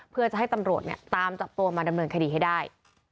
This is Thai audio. เพื่อจะให้ตำรวจตามจับตัวมาดำเนินคดีให้ได้